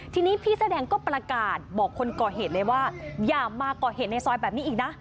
ทีนี้พี่เสื้อแดงก็ประกาศบอกคนก่อเหตุเลยว่าอย่ามาก่อเหตุในซอยแบบนี้อีกนะ